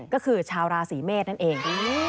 ก็คือชาวราศีเมษนั่นเอง